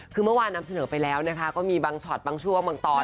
คือเมื่อวานนำเสนอไปแล้วนะคะก็มีบางช็อตบางช่วงบางตอน